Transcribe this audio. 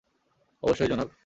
অবশ্যই, জনাব।